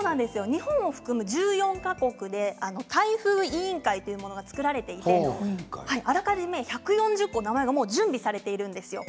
日本を含む１４か国で台風委員会というものが作られていてあらかじめ１４０個名前がもう準備されているんですよ。